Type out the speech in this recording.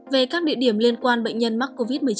về các địa điểm liên quan bệnh nhân mắc covid một mươi chín